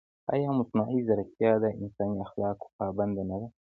ایا مصنوعي ځیرکتیا د انساني اخلاقو پابنده نه ده؟